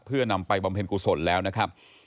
เพื่อนำไปบำเพ็ญกุศลแล้วนะครับ